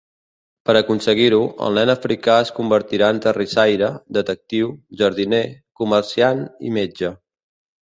Per aconseguir-ho, el nen africà es convertirà en terrissaire, detectiu, jardiner, comerciant i metge.